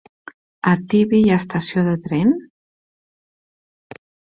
A Tibi hi ha estació de tren?